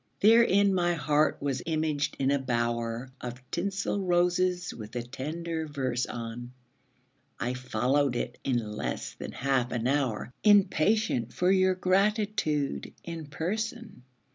Therein my heart was imaged in a bower Of tinsel roses, with a tender verse on ; I followed it in less than half an hour Impatient for your gratitude in person.